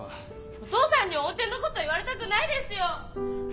お父さんに音程のこと言われたくないですよ！